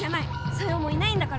ソヨもいないんだから。